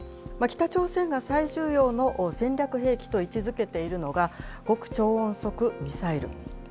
北朝鮮が最重要の戦略兵器と位置づけているのが、極超音速ミサイル。